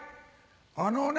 あのね